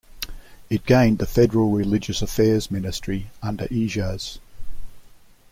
It gained the federal religious affairs ministry under Ijaz.